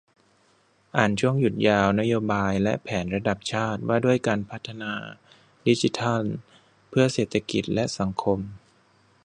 อ่านช่วงหยุดยาว 'นโยบายและแผนระดับชาติ ว่าด้วยการพัฒนาดิจิทัลเพื่อเศรษฐกิจและสังคม'